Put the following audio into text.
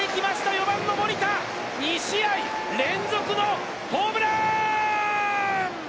４番の森田、２試合連続のホームラン！